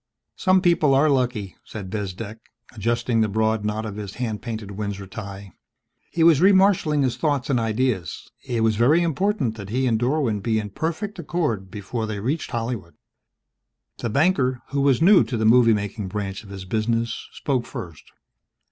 "Some people are lucky," said Bezdek, adjusting the broad knot of his hand painted Windsor tie. He was remarshaling his thoughts and ideas. It was very important that he and Dorwin be in perfect accord before they reached Hollywood. The banker, who was new to the movie making branch of his business, spoke first.